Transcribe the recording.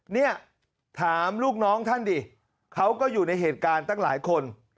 เนี่ยถามลูกน้องท่านดิเขาก็อยู่ในเหตุการณ์ตั้งหลายคน